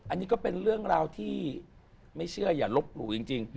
อันนี้ก็เป็นเรื่องราวที่ไม่เชื่ออย่าลบหลู่จริง